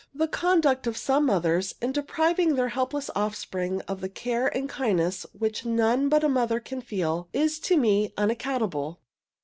The conduct of some mothers, in depriving their helpless offspring of the care and kindness which none but a mother can feel, is to me unaccountable.